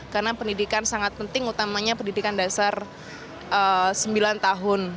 karena pendidikan sangat penting utamanya pendidikan dasar sembilan tahun